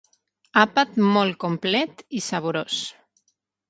Àpat molt complet i saborós.